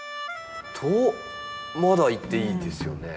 まだいっていいんですよね？